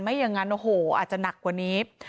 ไม่อย่างนั้นอาจจะหนักกว่านี้